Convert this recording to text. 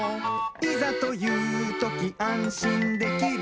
「いざというときあんしんできる」